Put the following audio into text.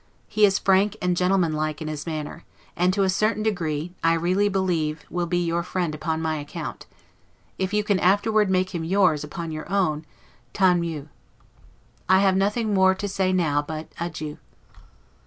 He is frank and gentleman like in his manner: and, to a certain degree, I really believe will be your friend upon my account; if you can afterward make him yours, upon your own, 'tan mieux'. I have nothing more to say now but Adieu.